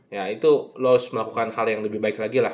ya itu lost melakukan hal yang lebih baik lagi lah